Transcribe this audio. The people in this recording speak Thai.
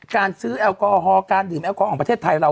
การซื้อแอลกอฮอลการดื่มแอลกอฮอลของประเทศไทยเรา